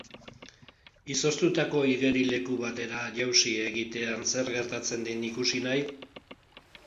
Izoztutako igerileku batera jauzi egitean zer gertatzen den ikusi nahi?